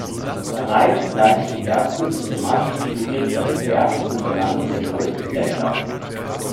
Reid leitete die ersten systematischen Studien über den Berg und benannte den größten Gletscher.